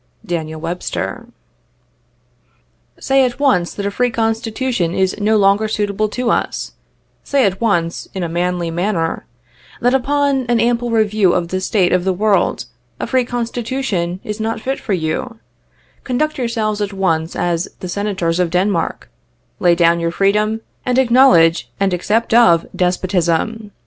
[ Daniel Webster. " Say at once that a free Constitution is no longer suitable to us ; say at once, in a manly manner, that, upon an ample review of the state of the world, a free Constitution is not fit for you ; conduct yourselves at once as the Senators of Denmark ; lay down your freedom, and acknowledge and accept of despotism.